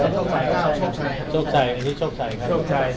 โชคชัย